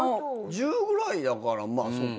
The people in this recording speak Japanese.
１０ぐらいだからまあそっか。